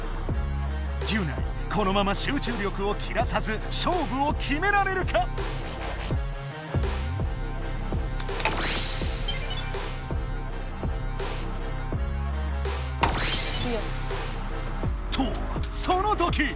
ギュナイこのまま集中力を切らさずしょうぶを決められるか。とそのとき。